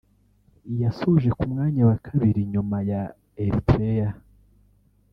yasoje ku mwanya wa kabiri nyuma ya Eritrea